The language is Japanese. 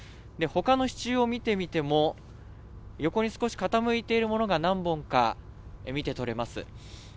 他の支柱を見てみても横に少し傾いているものが何本か見てとれます。